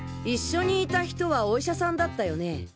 一緒にいた人はお医者さんだったよね？